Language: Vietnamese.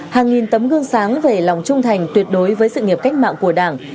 hàng nghìn tấm gương sáng về lòng trung thành tuyệt đối với sự nghiệp cách mạng của đảng